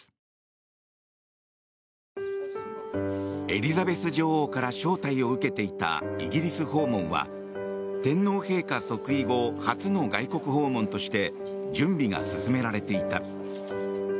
エリザベス女王から招待を受けていたイギリス訪問は天皇陛下即位後初の外国訪問として準備が進められていた。